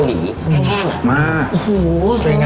โหพิเศษสุดเลย